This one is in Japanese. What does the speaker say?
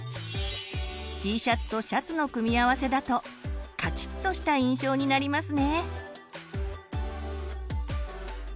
Ｔシャツとシャツの組み合わせだとカチッとした印象になりますね。